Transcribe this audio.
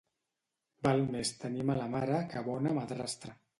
Val més tenir mala mare que bona madrastra.